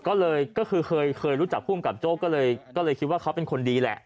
ก็เลยก็คือเคยรู้จักภูมิกับโจ้ก็เลยคิดว่าเขาเป็นคนดีแหละ